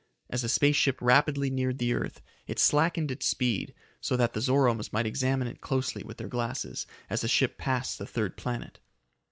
As the space ship rapidly neared the earth, it slackened its speed, so that the Zoromes might examine it closely with their glasses as the ship passed the third planet.